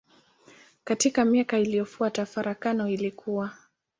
Katika miaka iliyofuata farakano ilikua.